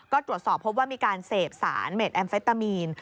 ก็ตรวจสอบพบว่ามีการเสพสารเมดแอมเฟตามีน